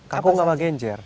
kangkung sama genjer